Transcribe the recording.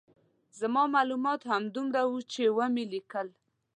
زما معلومات همدومره وو چې ومې لیکل.